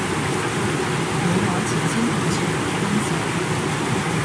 冇耐前先同前度分手